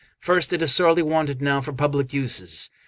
First, it is sorely wanted now for public uses.